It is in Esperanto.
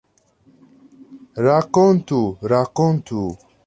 Rakontu, rakontu!